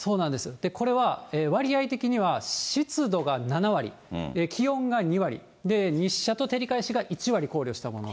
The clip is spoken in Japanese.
これね、割合的には、湿度が７割、気温が２割、日射と照り返しが１割考慮したもの。